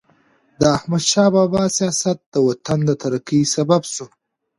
د احمدشاه بابا سیاست د وطن د ترقۍ سبب سو.